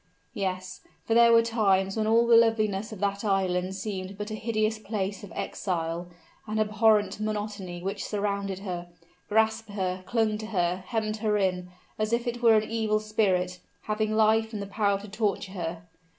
Yes; for there were times when all the loveliness of that island seemed but a hideous place of exile, an abhorrent monotony which surrounded her grasped her clung to her hemmed her in, as if it were an evil spirit, having life and the power to torture her.